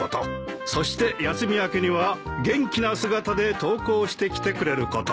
そして休み明けには元気な姿で登校してきてくれること。